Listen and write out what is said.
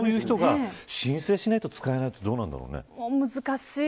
そういう人が、申請しないと使えないのはどうなんだろうね。